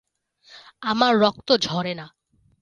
আমার রক্ত ঝরে না।